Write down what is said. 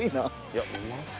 いやうまそう。